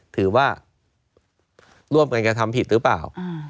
ถือว่าร่วมกันกระทำผิดหรือเปล่า